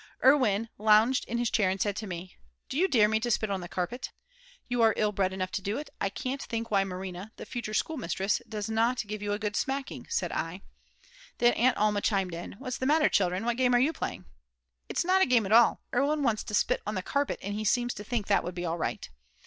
Erwin lounged in his chair and said to me: "Do you dare me to spit on the carpet?" "You are ill bred enough to do it; I can't think why Marina, the future schoolmistress, does not give you a good smacking," said I. Then Aunt Alma chimed in: "What's the matter children? What game are you playing?" "It's not a game at all; Erwin wants to spit on the carpet and he seems to think that would be all right."